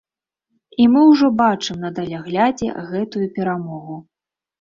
І мы ўжо бачым на даляглядзе гэтую перамогу.